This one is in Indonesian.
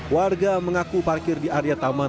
warga mengaku parkir di area taman